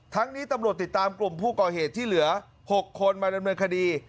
นี้ตำรวจติดตามกลุ่มผู้ก่อเหตุที่เหลือ๖คนมาดำเนินคดี